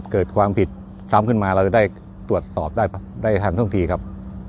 เกิดความผิดซ้ำขึ้นมาเราจะได้ตรวจสอบได้ทันท่วงทีครับ